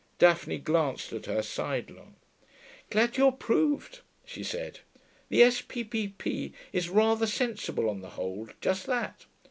Daphne glanced at her sidelong. 'Glad you approved,' she said. 'The S.P.P.P. is rather sensible, on the whole: just that....